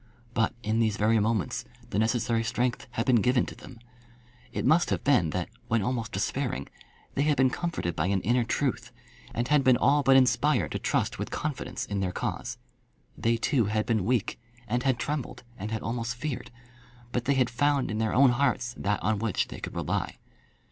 But in these very moments the necessary strength had been given to them. It must have been that, when almost despairing, they had been comforted by an inner truth, and had been all but inspired to trust with confidence in their cause. They, too, had been weak, and had trembled, and had almost feared. But they had found in their own hearts that on which they could rely.